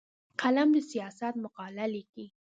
قلم د سیاست مقاله لیکي